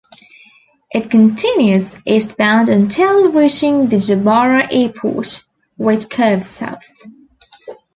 It continues eastbound until reaching the Jabara Airport, where it curves south.